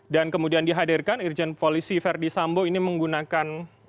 dan kemudian dihadirkan urgent polisi ferdie sambo ini menggunakan baju tahanan termasuk dengan adanya